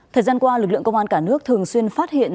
thời gian qua lực lượng công an cả nước thường xuyên phát hiện